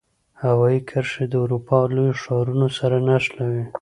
هوایي کرښې د اروپا لوی ښارونو سره نښلوي.